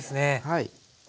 はい。